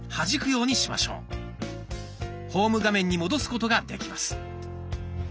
ホーム画面に戻すことができます。